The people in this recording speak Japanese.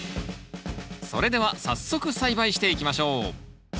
それでは早速栽培していきましょう